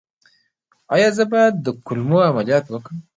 ایا زه باید د کولمو عملیات وکړم؟